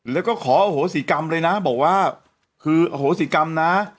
แล้วก็ขออโหสิกรรมเลยนะบอกว่าคืออโหสิกรรมนะ